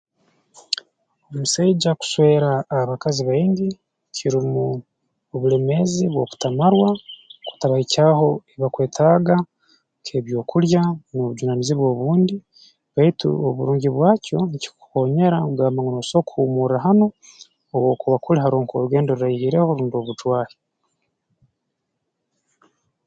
Omusaija kuswera abakazi baingi kirumu obulemeezi bw'okutamarwa kutabahikyaho ebibakwetaaga nk'ebyokulya n'obujunaanizibwa obundi baitu oburungi bwakyo nkikukoonyera kugamba ngu noso kuhuumurra hanu obu okuba kuli haroho orugendo ruraihireho rundi obujwahi